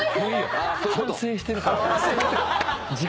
反省してるから。